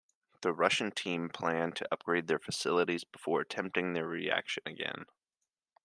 The Russian team planned to upgrade their facilities before attempting the reaction again.